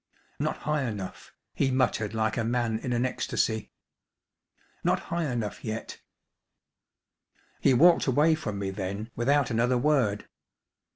"Not high enough," he muttered like a man in an ecstasy. "Not high enough yet." He walked away from me then without another word.